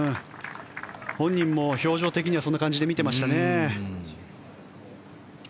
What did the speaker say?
本人も表情的にはそんな感じで見ていましたね。